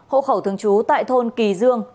hộ khẩu thường trú tại thôn kỳ dương